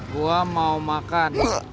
gua mau makan